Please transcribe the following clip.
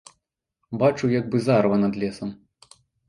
Бачу, як бы зарыва над лесам.